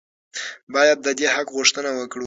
باید د دې حق غوښتنه وکړو.